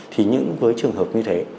thì những trường hợp như thế